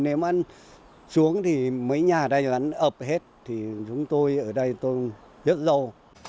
nếu mà xuống thì mấy nhà đây hắn ập hết thì chúng tôi ở đây tôi rất lâu